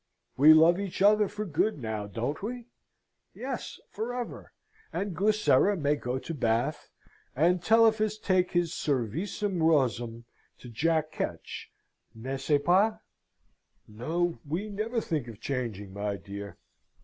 We love each other for good now, don't we? Yes, for ever; and Glycera may go to Bath, and Telephus take his cervicem roseam to Jack Ketch, n'est ce pas? No. We never think of changing, my dear.